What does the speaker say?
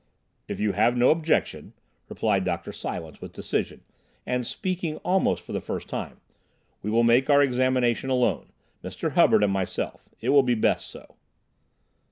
"If you have no objection," replied Dr. Silence, with decision, and speaking almost for the first time, "we will make our examination alone—Mr. Hubbard and myself. It will be best so."